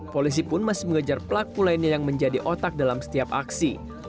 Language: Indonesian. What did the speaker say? polisi pun masih mengejar pelaku lainnya yang menjadi otak dalam setiap aksi